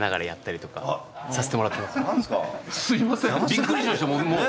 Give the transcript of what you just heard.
びっくりしました僕も。